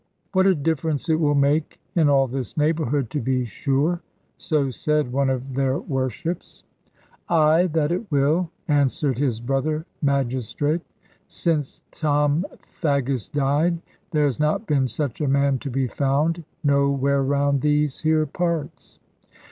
"What a difference it will make in all this neighbourhood, to be sure!" So said one of their worships. "Ay, that it will," answered his brother magistrate. "Since Tom Faggus died, there has not been such a man to be found, nowhere round these here parts."